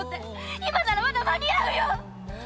今ならまだ間に合うよ！